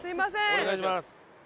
お願いします。